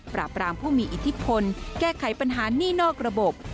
รามผู้มีอิทธิพลแก้ไขปัญหานี่นอกระบบ